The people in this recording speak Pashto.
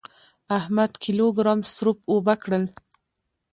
احمد کيلو ګرام سروپ اوبه کړل.